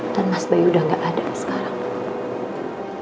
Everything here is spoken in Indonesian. dan mas bayu udah gak ada sekarang